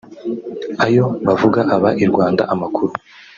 Ayo bavuga aba i Rwanda (amakuru